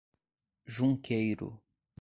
Junqueiro